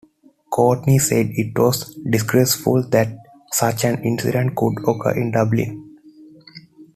Courtney said it was "disgraceful" that such an incident could occur in Dublin.